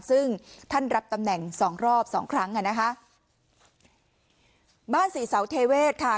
ซึ่งท่านรับตำแหน่งสองรอบสองครั้งอ่ะนะคะบ้านศรีเสาเทเวศค่ะ